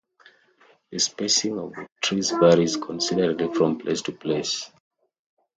The spacing of the trees varies considerably from place to place.